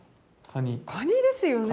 カニですよね。